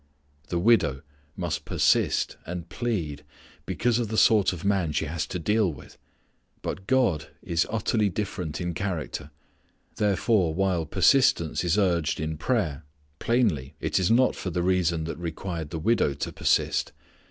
The widow must persist and plead because of the sort of man she has to deal with. But God is utterly different in character. Therefore while persistence is urged in prayer plainly it is not for the reason that required the widow to persist.